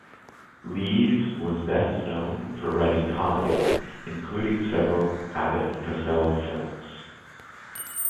Lees was best known for writing comedy, including several Abbott and Costello films.